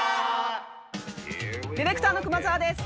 ディレクターの熊澤です。